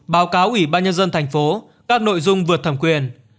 báo cáo ủy ban nhân dân thành phố các nội dung vượt thẩm quyền